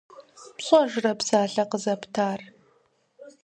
ПщӀэжрэ псалъэ къызэптар?